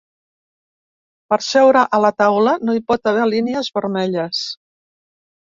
Per seure a la taula no hi pot haver línies vermelles.